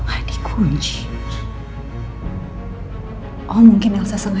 jadi siapa yang heather mungkin lawan kayak ini